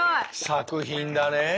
作品だねえ